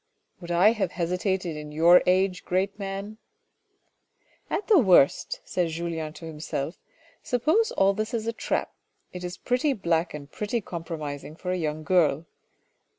" Would I have hesitated in your age great man ?"" At the worst," said Julien to himself, " suppose all this is a trap, it is pretty black and pretty compromising for a young girl.